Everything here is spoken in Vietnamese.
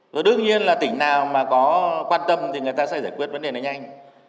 rồi đương nhiên là tỉnh nào mà có quan tâm thì người ta sẽ giải quyết vấn đề này nhanh